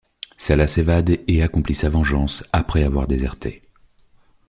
Salah s'évade et accomplit sa vengeance après avoir déserté.